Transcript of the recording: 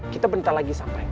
kita bentar lagi sampai